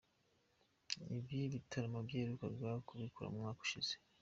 Ibi bitaramo yaherukaga kubikora mu mwaka ushize.